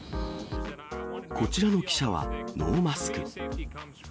こちらの記者はノーマスク。